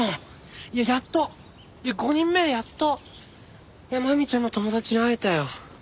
いややっと５人目でやっとマミちゃんの友達に会えたよ。